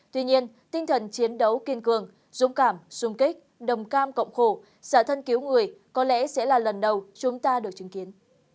tuy nhiên tinh thần chiến đấu kiên cường dũng cảm sung kích đồng cam cộng khổ xả thân cứu người có lẽ sẽ là lần đầu chúng ta được chứng kiến